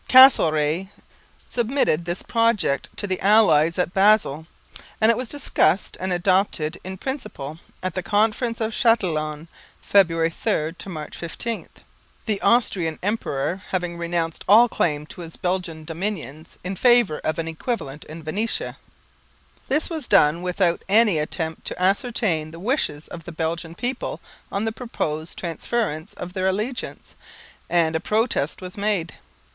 Castlereagh submitted this project to the allies at Basel; and it was discussed and adopted in principle at the Conference of Châtillon (February 3 to March 15), the Austrian Emperor having renounced all claim to his Belgian dominions in favour of an equivalent in Venetia. This was done without any attempt to ascertain the wishes of the Belgian people on the proposed transference of their allegiance, and a protest was made.